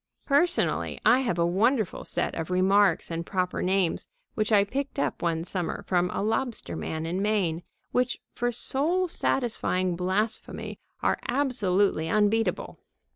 Personally, I have a wonderful set of remarks and proper names which I picked up one summer from a lobster man in Maine, which for soul satisfying blasphemy are absolutely unbeatable.